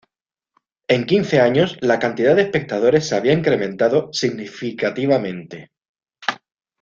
En quince años, la cantidad de espectadores se había incrementado significativamente.